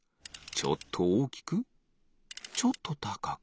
ちょっとおおきくちょっとたかく。